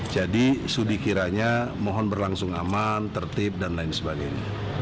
jadi sudikiranya mohon berlangsung aman tertib dan lain sebagainya